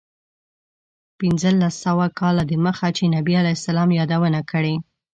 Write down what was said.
پنځلس سوه کاله دمخه چې نبي علیه السلام یادونه کړې.